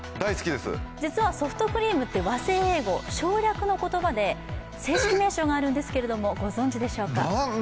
実はソフトクリームって和製英語、省略の言葉で正式名称があるんですけれどもご存じでしょうか。